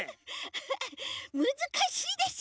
フフフむずかしいでしょ？